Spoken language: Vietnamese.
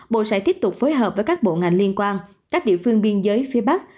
bộ sẽ tiếp tục phối hợp với các bộ ngành liên quan các địa phương biên giới phía bắc